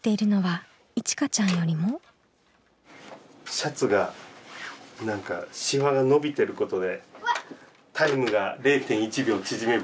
シャツが何かシワが伸びてることでタイムが０．１秒縮めば。